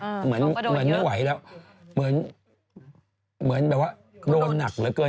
อืมส่งกระโดดเยอะเหมือนไม่ไหวแล้วเหมือนแบบว่าโดนหนักเหลือเกิน